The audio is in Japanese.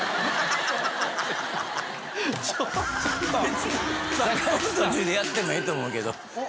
別にやってもええと思うけど。